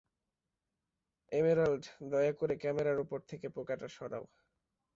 Emerald, দয়া করে ক্যামেরার ওপর থেকে পোকাটা সরাও।